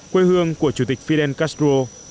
quê hương của chủ tịch fidel castro